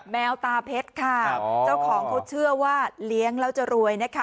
แมวตาเพชรค่ะเจ้าของเขาเชื่อว่าเลี้ยงแล้วจะรวยนะคะ